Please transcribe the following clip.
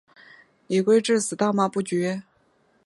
李圭至死大骂不绝。